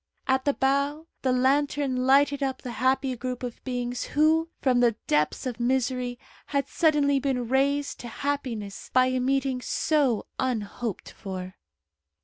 At the bow the lantern lighted up the happy group of beings who, from the depths of misery, had suddenly been raised to happiness by a meeting so unhoped for.